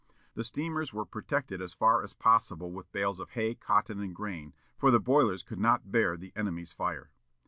The steamers were protected as far as possible with bales of hay, cotton, and grain, for the boilers could not bear the enemy's fire.